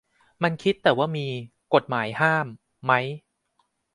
มันคิดแต่ว่ามี 'กฎหมายห้าม' มั้ย